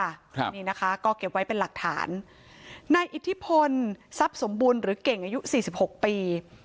ครับนี่นะคะก็เก็บไว้เป็นหลักฐานนายอิทธิพลทรัพย์สมบูรณ์หรือเก่งอายุสี่สิบหกปี